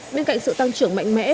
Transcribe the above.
bên cạnh sự tăng trưởng mạnh mẽ